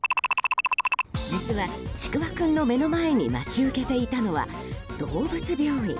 実は、ちくわ君の目の前に待ち受けていたのは動物病院。